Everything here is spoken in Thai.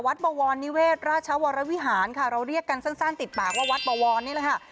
บวรนิเวศราชวรวิหารค่ะเราเรียกกันสั้นติดปากว่าวัดบวรนี่แหละค่ะ